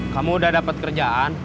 kamu udah dapat kerjaan